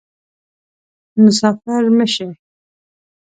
مسافر مه شي